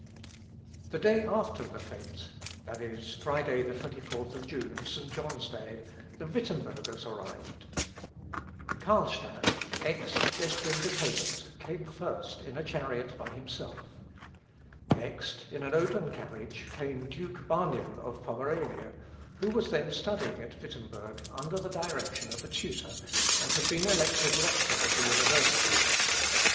The day after the fête, viz., Friday, 24th June, (St. John's Day,) the Wittembergers arrived. Carlstadt, Eck's destined opponent, came first in a chariot by himself. Next, in an open carriage, came Duke Barnim of Pomerania, who was then studying at Wittemberg under the direction of a tutor, and had been elected rector of the University.